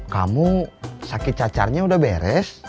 kamu sakit cacarnya udah beres